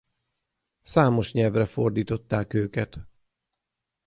Számos nyelvre fordították őket.